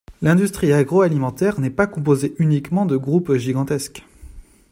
L’industrie agroalimentaire n’est pas composée uniquement de groupes gigantesques.